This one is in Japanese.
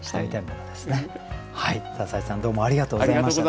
篠井さんどうもありがとうございました。